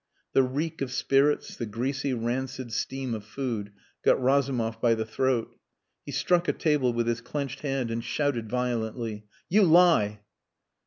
The reek of spirits, the greasy rancid steam of food got Razumov by the throat. He struck a table with his clenched hand and shouted violently "You lie."